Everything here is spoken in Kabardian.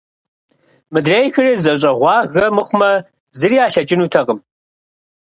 Мыдрейхэри зэщӀэгъуагэ мыхъумэ, зыри ялъэкӀынутэкъым.